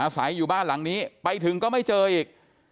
อยู่บ้านหลังนี้ไปถึงก็ไม่เจออีก